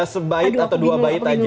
sebaik atau dua baik aja